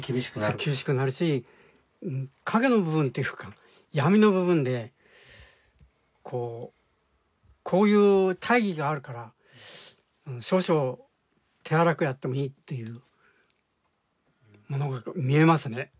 そう厳しくなるし陰の部分っていうか闇の部分でこうこういう大義があるから少々手荒くやってもいいっていうものが見えますね。